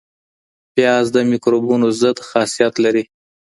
پیاز د میکروبونو ضد خاصیت لري.